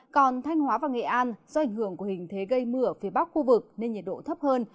còn thanh hóa và nghệ an do ảnh hưởng của hình thế gây mưa ở phía bắc khu vực nên nhiệt độ thấp hơn